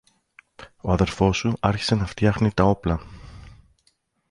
ο αδελφός σου άρχισε να φτιάνει τα όπλα